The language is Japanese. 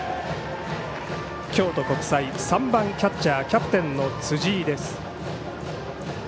京都国際３番、キャッチャーキャプテンの辻井です。